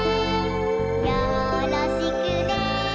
よろしくね！」